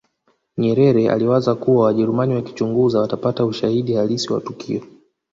nyerere aliwaza kuwa wajerumani wakichunguza watapata ushahidi halisi wa tukio